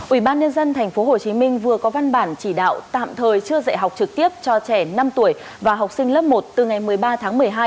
ủy ban nhân dân tp hcm vừa có văn bản chỉ đạo tạm thời chưa dạy học trực tiếp cho trẻ năm tuổi và học sinh lớp một từ ngày một mươi ba tháng một mươi hai